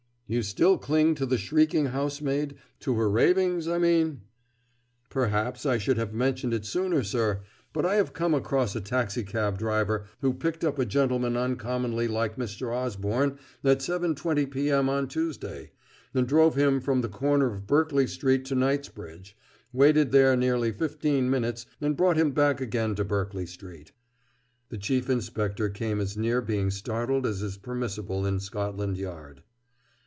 "You still cling to the shrieking housemaid to her ravings, I mean?" "Perhaps I should have mentioned it sooner, sir, but I have come across a taxicab driver who picked up a gentleman uncommonly like Mr. Osborne at 7.20 p.m. on Tuesday, and drove him from the corner of Berkeley Street to Knightsbridge, waited there nearly fifteen minutes, and brought him back again to Berkeley Street." The Chief Inspector came as near being startled as is permissible in Scotland Yard.